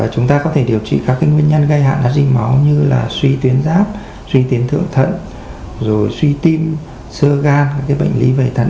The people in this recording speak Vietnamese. chúng ta có thể điều trị các cái nguyên nhân gây hạ nát ri máu như là suy tuyến giáp suy tuyến thượng thận rồi suy tim sơ gan các cái bệnh lý vầy thận